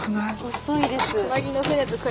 細いです。